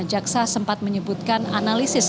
jaksa sempat menyebutkan analisis